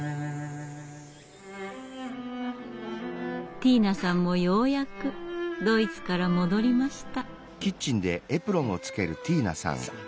ティーナさんもようやくドイツから戻りました。